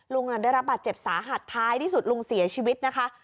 ลุงนั้นได้รับบัตรเจ็บสาหัดท้ายที่สุดลุงเสียชีวิตนะคะ